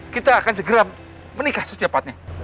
kita akan segera menikah secepatnya